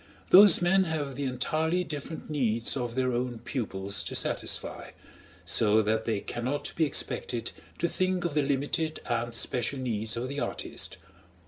Those men have the entirely different needs of their own pupils to satisfy, so that they cannot be expected to think of the limited and special needs of the artist.